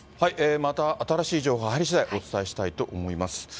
また新しい情報入りしだい、お伝えしたいと思います。